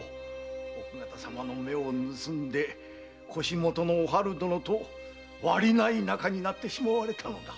奥方様の目を盗んで腰元のおはる殿とわりない仲になってしまわれたのだ。